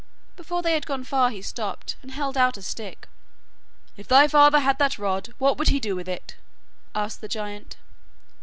Before they had gone far he stopped, and held out a stick. 'If thy father had that rod, what would he do with it?' asked the giant.